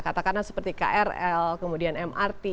katakanlah seperti krl kemudian mrt